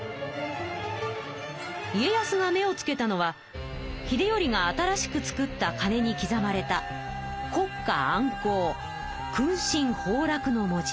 家康が目をつけたのは秀頼が新しく作ったかねにきざまれた「國家安康」「君臣豊樂」の文字。